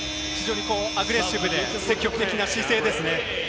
アグレッシブで積極的な姿勢ですね。